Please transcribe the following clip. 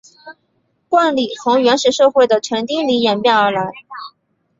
冠礼从原始社会的成丁礼演变而来。